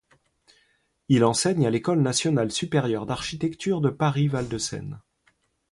Il enseigne à l'École nationale supérieure d'architecture de Paris-Val de Seine.